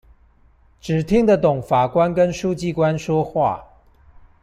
只聽得懂法官跟書記官說話